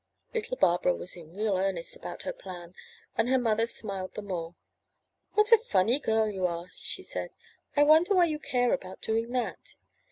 '' Little Barbara was in real earnest about her plan and her mother smiled the more. What a funny girl you are, said she. '1 wonder why you care about doing that?